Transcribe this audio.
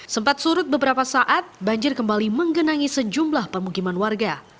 sempat surut beberapa saat banjir kembali menggenangi sejumlah pemukiman warga